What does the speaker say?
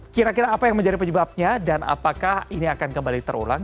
kira kira apa yang menjadi penyebabnya dan apakah ini akan kembali terulang